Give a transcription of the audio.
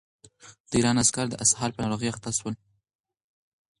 د ایران عسکر د اسهال په ناروغۍ اخته شول.